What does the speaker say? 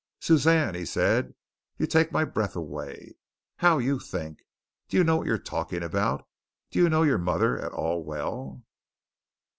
"Suzanne," he said, "you take my breath away! How you think! Do you know what you're talking about? Do you know your mother at all well?"